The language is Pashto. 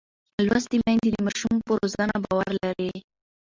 لوستې میندې د ماشوم پر روزنه باور لري.